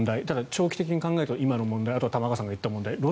ただ長期的に考えると今の問題、あとは玉川さんが言った問題